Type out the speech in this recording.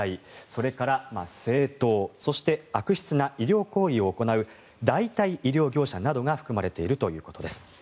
それから政党そして悪質な医療行為を行う代替医療業者などが含まれているということです。